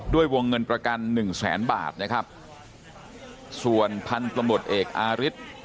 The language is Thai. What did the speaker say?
ด้วยวงเงินประกันหนึ่งแสนบาทนะครับส่วนพันธุ์ตำรวจเอกอาริส